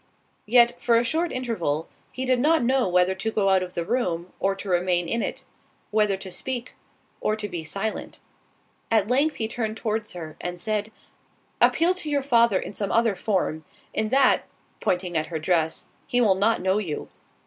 Yet, for a short interval, he did not know whether to go out of the room, or to remain in it; whether to speak, or to be silent. At length he turned towards her, and said, "Appeal to your father in some other form—in that (pointing at her dress) he will not know you.